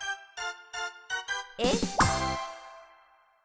えっ？